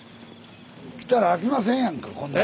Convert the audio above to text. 来たらあきませんやんかこんなん。